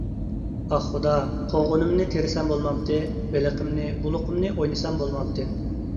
ئاھ، خۇدا، قوغۇنۇمنى تېرىسام بولمامتى، بېلىقىمنى، بۇلىقىمنى ئوينىسام بولمامتى.